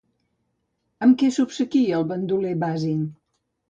Amb què obsequia el bandoler Basin?